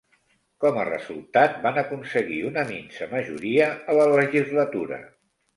Com a resultat, van aconseguir una minsa majoria a la legislatura.